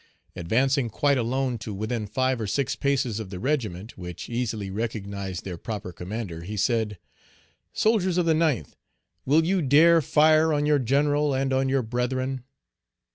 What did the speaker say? Advancing quite alone to within five or six paces of the regiment, which easily recognized their proper commander, he said, "Soldiers of the ninth, will you dare fire on your general and on your brethren?"